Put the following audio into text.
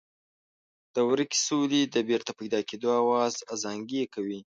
د ورکې سولې د بېرته پیدا کېدو آواز ازانګې کوي.